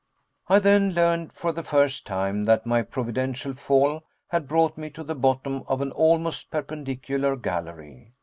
I then learned, for the first time, that my providential fall had brought me to the bottom of an almost perpendicular gallery.